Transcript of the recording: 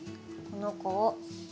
この子を。